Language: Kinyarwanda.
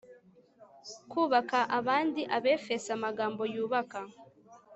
kubaka abandi Abefeso Amagambo yubaka